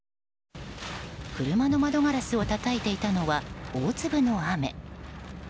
車の窓ガラスをたたいていたのは大粒の雨。